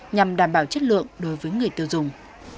nhằm đảm bảo chất lượng đối với người tiêu dùng